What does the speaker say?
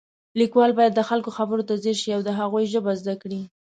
لیکوال باید د خلکو خبرو ته ځیر شي او د هغوی ژبه زده کړي